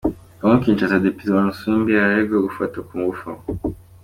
kongo Kinshasa Depite Onusumbi araregwa gufata ku ngufu